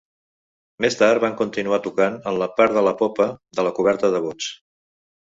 Més tard van continuar tocant en la part de popa de la coberta de bots.